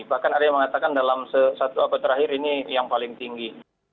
bahkan ada yang mengatakan dalam satu abad terakhir ini yang paling tinggi